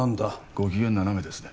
ご機嫌斜めですね